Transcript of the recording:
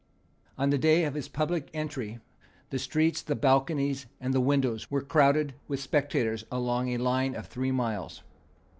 On the day of his public entry the streets, the balconies, and the windows were crowded with spectators along a line of three miles.